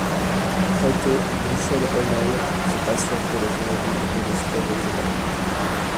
Très tôt, Michel Hommell se passionne pour l'automobile et le sport automobile.